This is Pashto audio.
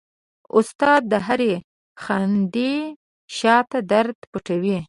استاد د هرې خندې شاته درد پټوي.